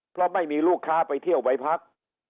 เพราะไม่มีลูกค้าไปเที่ยวไปพัก